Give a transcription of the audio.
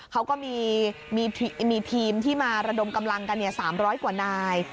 เขาก็มีทีมที่มาระดมกำลังกัน๓๐๐กว่านาย